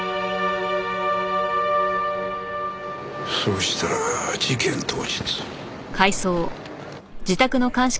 そうしたら事件当日。